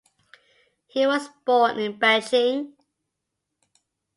He was born in Beijing.